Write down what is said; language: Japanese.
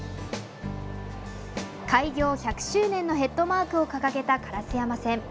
開業１００周年のヘッドマークを掲げた烏山線。